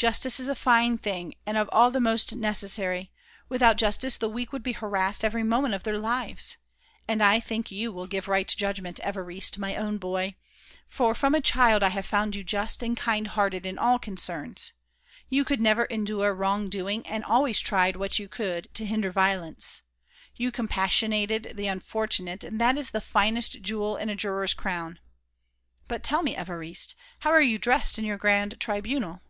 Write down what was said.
Justice is a fine thing, and of all the most necessary; without justice the weak would be harassed every moment of their lives. And I think you will give right judgment, Évariste, my own boy; for from a child I have found you just and kind hearted in all concerns. You could never endure wrong doing and always tried what you could to hinder violence. You compassionated the unfortunate and that is the finest jewel in a juror's crown.... But tell me, Évariste, how are you dressed in your grand tribunal?"